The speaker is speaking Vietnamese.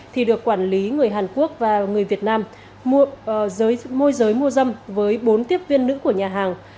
thì được quản lý người hàn quốc và người việt nam môi giới mua dâm với bốn tiếp viên nữ của nhà hàng